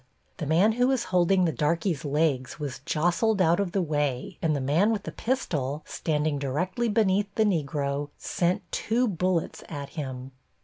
The man who was holding the darkey's legs was jostled out of the way and the man with the pistol, standing directly beneath the Negro, sent two bullets at him.